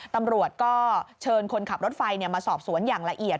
ตำรวจก็เชิญคนขับรถไฟมาสอบสวนอย่างละเอียด